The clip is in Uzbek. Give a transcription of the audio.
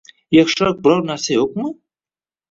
Yaxshiroq biror narsa yo’qmi?